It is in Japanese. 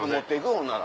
ほんなら。